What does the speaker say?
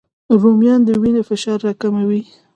رومیان د وینې فشار راکموي